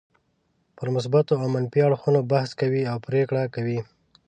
پر مثبتو او منفي اړخونو بحث کوي او پرېکړه کوي.